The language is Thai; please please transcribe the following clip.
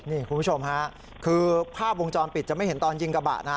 นี่คุณผู้ชมฮะคือภาพวงจรปิดจะไม่เห็นตอนยิงกระบะนะ